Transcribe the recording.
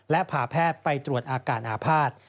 และพาแพทย์ไปตรวจอาการอาภาษณ์